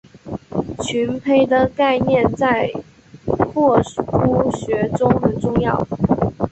群胚的概念在拓扑学中很重要。